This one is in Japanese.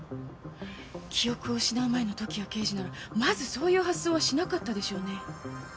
記憶を失う前の時矢刑事ならまずそういう発想はしなかったでしょうね。